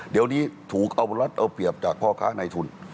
เดี๋ยวนี้ถูกเอารัดเอาเปรียบจากพ่อค้าในทุน